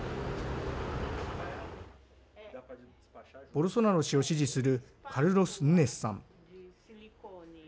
ボルソナロ氏を支持するカルロス・ヌネスさん。